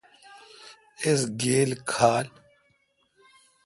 اس گیل کھال۔